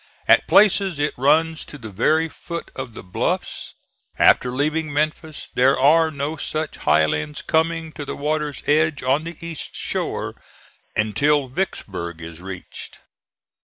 At places it runs to the very foot of the bluffs. After leaving Memphis, there are no such highlands coming to the water's edge on the east shore until Vicksburg is reached.